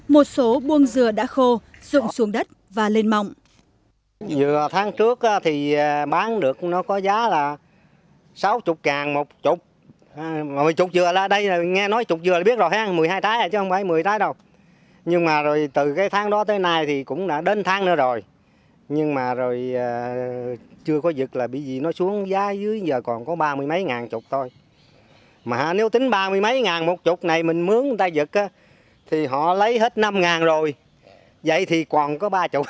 một số buông dừa đã khô rụng xuống đất và lên mọng